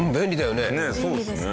ねえそうですね。